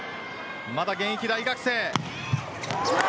まだ現役大学生。